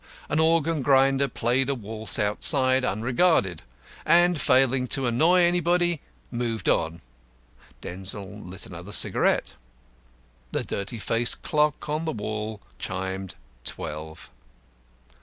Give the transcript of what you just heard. An organ grinder played a waltz outside, unregarded; and, failing to annoy anybody, moved on. Denzil lit another cigarette. The dirty faced clock on the wall chimed twelve.